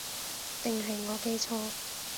定係我記錯